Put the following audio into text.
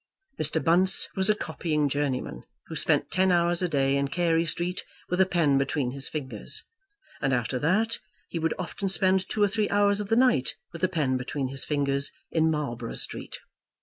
Mr. Bunce was a copying journeyman, who spent ten hours a day in Carey Street with a pen between his fingers; and after that he would often spend two or three hours of the night with a pen between his fingers in Marlborough Street.